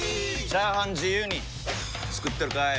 チャーハン自由に作ってるかい！？